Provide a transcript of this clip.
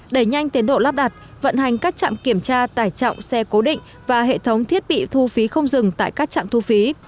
đẩy nhanh tiến độ lắp đặt vận hành các trạm kiểm tra tải trọng xe cố định và hệ thống thiết bị thu phí không dừng tại các trạm thu phí